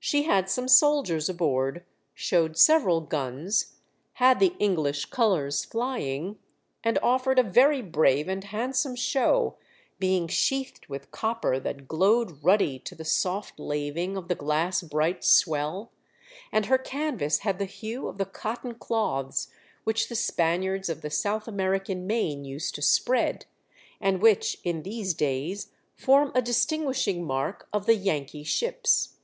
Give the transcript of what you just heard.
She had some soldiers aboard, showed several guns, had the English colours flying and offered a very brave and handsome show, being sheathed with copper that glowed ruddy to the soft laving of the glass bright swell, and her canvas had the hue of the cotton cloths which the Spaniards of the South American main used to spread, and which in these days form a distinguishing mark of the Yankee ships.